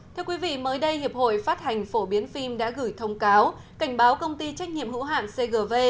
thưa quý vị mới đây hiệp hội phát hành phổ biến phim đã gửi thông cáo cảnh báo công ty trách nhiệm hữu hạn cgv